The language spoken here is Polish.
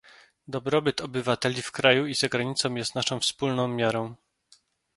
Dobrobyt obywateli w kraju i zagranicą jest naszą wspólną miarą